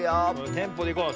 テンポでいこう。